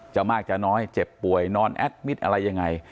มากจะน้อยเจ็บป่วยนอนแอดมิตรอะไรยังไง